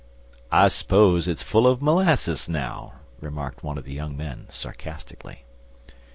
"I suppose it's full of molasses now," remarked one of the young men, sarcastically.